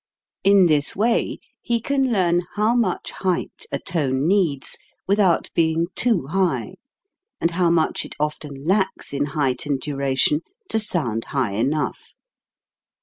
In this way he can learn how much height a tone needs without being too high, and how much it often lacks in height and duration to sound high enough.